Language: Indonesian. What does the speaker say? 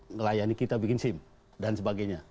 ngelayani kita bikin sim dan sebagainya